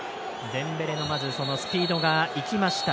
デンベレのスピードが生きました。